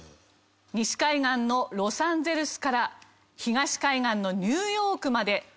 西海岸のロサンゼルスから東海岸のニューヨークまで。